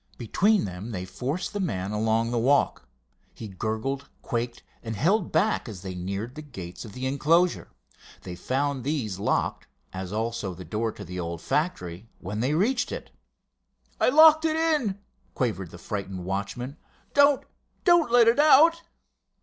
Between them they forced the man along the walk. He gurgled, quaked, and held back as they neared the gates of the enclosure. They found these locked, as also the door to the old factory, when they reached it. "I locked it in," quavered the frightened watchman. "Don't—don't let it out!"